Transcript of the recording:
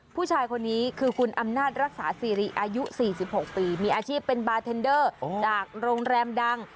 ผู้ชายคนนี้คือคุณอำนาจรักษาซีรีอายุ๔๖ปีมีอาชีพเป็นบาร์เทนเดอร์จากโรงแรมดัง